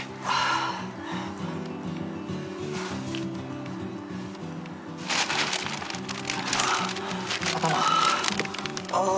ああ。